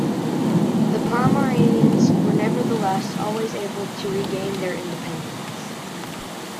The Pomeranians were nevertheless always able to regain their independence.